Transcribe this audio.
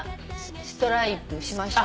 ストライプしましま。